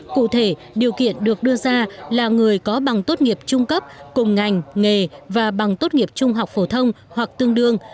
cụ thể điều kiện được đưa ra là người có bằng tốt nghiệp trung cấp cùng ngành nghề và bằng tốt nghiệp trung học phổ thông hoặc tương đương